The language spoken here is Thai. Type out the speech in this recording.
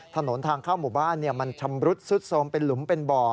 ถนนทางเข้าหมู่บ้านมันชำรุดซุดโทรมเป็นหลุมเป็นบ่อ